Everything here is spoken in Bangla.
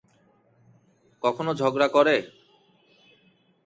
কখনও ঝগড়া করে।